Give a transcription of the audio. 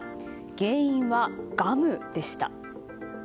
原因は、ガムでした。